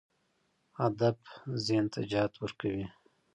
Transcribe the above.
هدف ذهن ته جهت ورکوي.